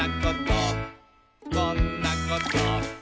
「こんなこと」